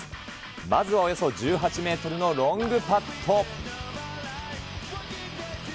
まずはおよそ１８メートルのロングパット。